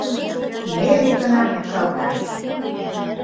Ме лектына кушталташ